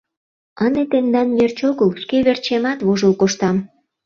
Ынде тендан верч огыл, шке верчемат вожыл коштам.